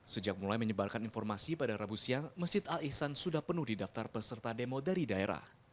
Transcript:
sejak mulai menyebarkan informasi pada rabu siang masjid al ihsan sudah penuh di daftar peserta demo dari daerah